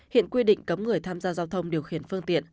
hiện quy định cấm người tham gia giao thông điều khiển phương tiện